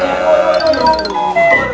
aduh pak deh